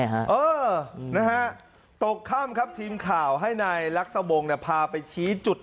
เออนะฮะตกค่ำครับทีมข่าวให้นายลักษวงศ์พาไปชี้จุด